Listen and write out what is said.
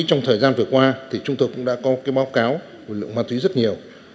trong thời gian vừa qua chúng tôi cũng đã có báo cáo về lượng ma túy rất nhiều